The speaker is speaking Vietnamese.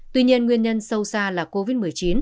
tuy nhiên nguyên nhân sâu xa là covid một mươi chín